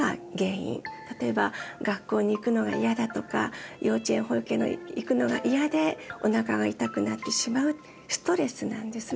例えば学校に行くのが嫌だとか幼稚園保育園に行くのが嫌でおなかが痛くなってしまうストレスなんですね。